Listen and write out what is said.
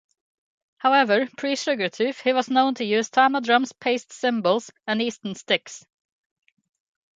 However pre-Sugartooth he was known to use Tama drums, Paiste cymbals and Easton sticks.